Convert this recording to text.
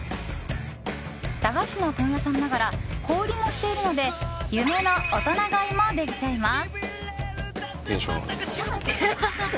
駄菓子の問屋さんながら小売りもしているので夢の大人買いもできちゃいます。